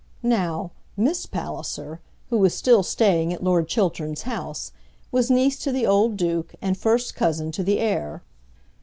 Now, Miss Palliser, who was still staying at Lord Chiltern's house, was niece to the old Duke, and first cousin to the heir.